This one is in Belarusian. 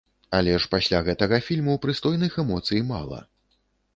Але ж пасля гэтага фільму прыстойных эмоцый мала.